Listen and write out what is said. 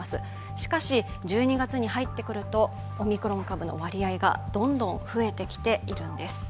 しかし、１２月に入ってくるとオミクロン株の割合がどんどん増えてきているんです。